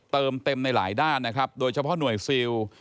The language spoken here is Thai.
เติมเต็มในหลายด้านนะครับโดยเฉพาะหน่วยซิล